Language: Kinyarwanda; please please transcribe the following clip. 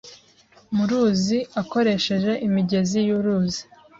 mu ruzi akoresheje imigezi y'uruzi.